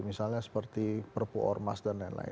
misalnya seperti perpu ormas dan lain lain